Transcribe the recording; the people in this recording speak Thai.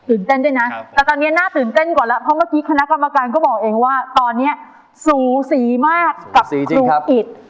เต้นด้วยนะแต่ตอนนี้น่าตื่นเต้นกว่าแล้วเพราะเมื่อกี้คณะกรรมการก็บอกเองว่าตอนนี้สูสีมากกับหนูอิด